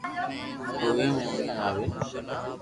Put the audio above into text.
او وي او ني آوين